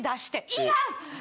いらん！